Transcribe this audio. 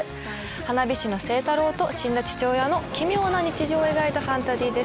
花火師の星太郎と死んだ父親の奇妙な日常を描いたファンタジーです。